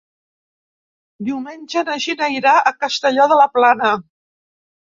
Diumenge na Gina irà a Castelló de la Plana.